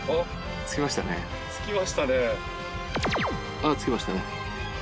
あっつきましたね。